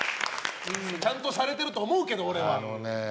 ちゃんとされてると思うけど俺は。